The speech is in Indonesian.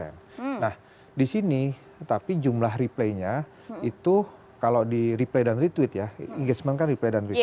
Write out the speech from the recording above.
nah di sini tapi jumlah replay nya itu kalau di replay dan retweet ya engagement kan replay dan resep